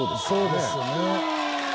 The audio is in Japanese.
そうですよね。